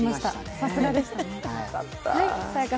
さすがでしたね。